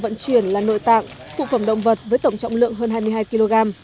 vận chuyển là nội tạng phụ phẩm động vật với tổng trọng lượng hơn hai mươi hai kg